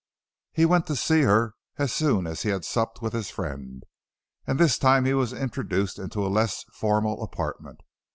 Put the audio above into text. He went to see her as soon as he had supped with his friend, and this time he was introduced into a less formal apartment.